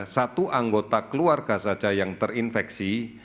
satu anggota keluarga saja yang terinfeksi